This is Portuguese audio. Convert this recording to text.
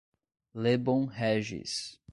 Lebon Régis